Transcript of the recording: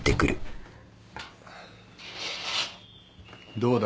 ・どうだ？